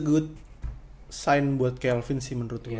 itu tanda yang bagus buat kelvin sih menurut gue